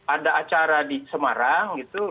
ada acara di semarang gitu